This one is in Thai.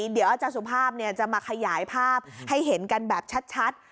เดี๋ยวอาจารย์สุภาพจะมาขยายภาพให้เห็นกันแบบชัด